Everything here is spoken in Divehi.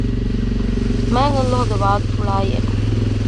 މާތް ﷲ ގެ ވާގިފުޅާއި އެކު